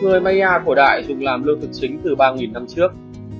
người maya cổ đại dùng làm lương thực chính từ ba năm trước